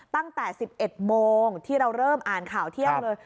ตั้งแต่๑๑โมงที่เราเริ่มอ่านข่าวเที่ยงเลย